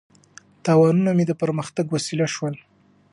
تاوانونه مې د پرمختګ وسیله شول.